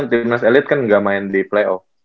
timnas elite kan gak main di playoff